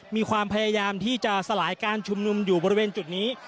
มีความพยายามที่จะสลายการชุมนุมอยู่บริเวณจุดนี้